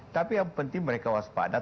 tapi yang penting mereka waspada